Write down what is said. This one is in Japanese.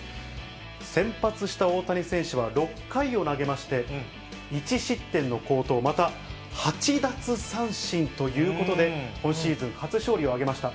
先発した大谷選手は、６回を投げまして、１失点の好投、また８奪三振ということで、今シーズン初勝利を挙げました。